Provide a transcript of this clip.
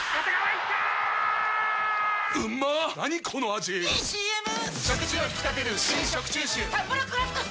⁉いいＣＭ！！